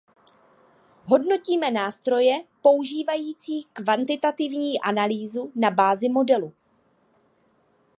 Hodnotíme nástroje používající kvantitativní analýzu na bázi modelu.